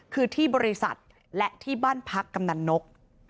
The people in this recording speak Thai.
คือที่บริษัทและที่บ้านพักกำนันนก